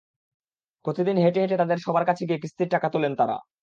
প্রতিদিন হেঁটে হেঁটে তাঁদের সবার কাছে গিয়ে কিস্তির টাকা তোলেন তাঁরা।